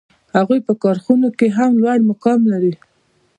هغوی په کارخانو کې هم لوړ مقام لري